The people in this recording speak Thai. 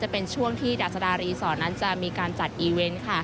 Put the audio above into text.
เป็นช่วงที่ดาษดารีสอร์ทนั้นจะมีการจัดอีเวนต์